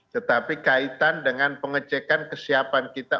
tetapi kaitan dengan pengecekan kesiapan kita